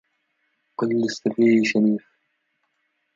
قل للسفيه شنيف